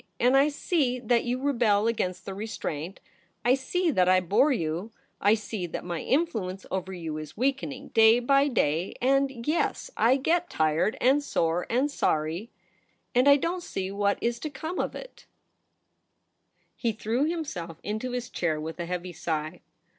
.. And I see that you rebel against the restraint — I see that I bore you; I see that my influence over you is weaken ing day by day — and — yes, I get tired and sore and sorry ; and I don't see what is to come of it/ He threw himself into his chair with a heavy sigh.